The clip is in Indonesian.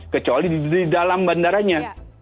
kecuali di dalam bandaranya